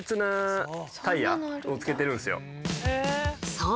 そう！